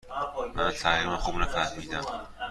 من تقریبا خوب نفهمیدم.